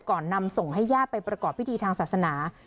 ก่อนนำส่งให้ย่าไปประกอบพิธีทางศาสนา